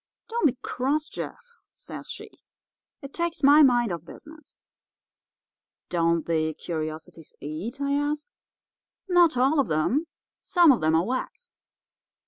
"'Don't be cross, Jeff,' says she; 'it takes my mind off business.' "'Don't the curiosities eat?' I ask. "'Not all of them. Some of them are wax.